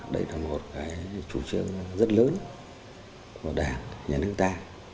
nó là một cái chủ trương rất lớn của đảng nhà nước ta